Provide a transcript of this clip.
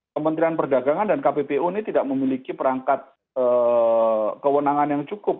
kementerian perdagangan dan kppu ini tidak memiliki perangkat kewenangan yang cukup